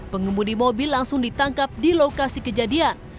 pengemudi mobil langsung ditangkap di lokasi kejadian